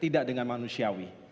tidak dengan manusiawi